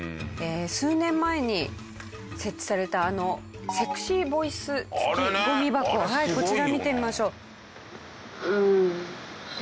数年前に設置されたあのセクシーボイス付きゴミ箱はいこちら見てみましょう。